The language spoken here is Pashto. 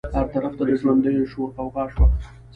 هر طرف ته د ژوندیو شور غوغا شوه.